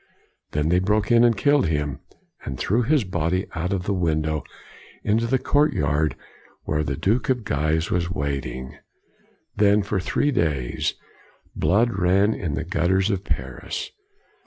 Then they broke in, and killed him, and threw his body out of the window into the court yard, where the Duke of Guise was wait ing. Then, for three days, blood ran in the gutters of Paris.